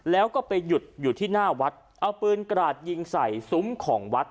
แล้วก็ไปหยุดอยู่ที่หน้าวัดเอาปืนกราดยิงใส่ซุ้มของวัด